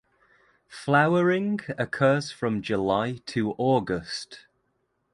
Flowering occurs from July to August.